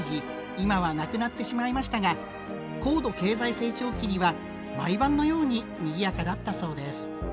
今はなくなってしまいましたが高度経済成長期には毎晩のようににぎやかだったそうです。